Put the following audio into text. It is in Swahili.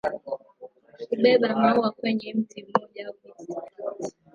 Hubeba maua kwenye mti mmoja au miti tofauti.